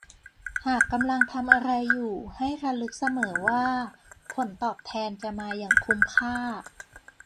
หากกำลังทำอะไรอยู่ให้ระลึกเสมอว่า ผลตอบแทนจะมาอย่างคุ้มค่า